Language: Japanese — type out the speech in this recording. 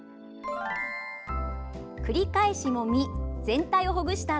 繰り返しもみ全体をほぐした